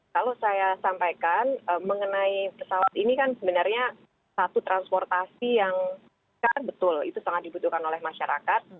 kalau saya sampaikan mengenai pesawat ini kan sebenarnya satu transportasi yang kan betul itu sangat dibutuhkan oleh masyarakat